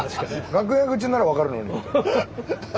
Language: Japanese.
楽屋口ならわかるけど。